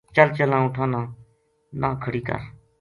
چل چلاں اُونٹھاں نا نہ کھڑی کر‘‘